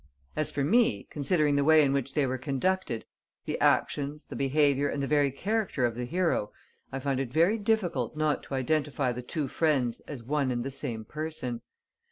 As for me, considering the way in which they were conducted, the actions, the behaviour and the very character of the hero, I find it very difficult not to identify the two friends as one and the same person.